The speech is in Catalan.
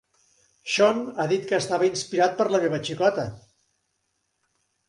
Sean ha dit que estava "inspirat per la meva xicota".